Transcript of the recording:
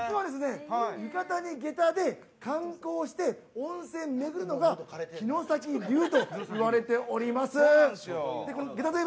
実は浴衣に下駄で観光して温泉をめぐるのが城崎流といわれております。